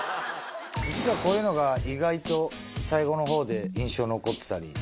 実はこういうのが意外と最後の方で印象に残ってたり。